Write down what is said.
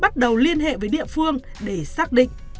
bắt đầu liên hệ với địa phương để xác định